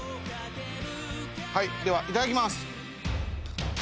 はいではいただきます。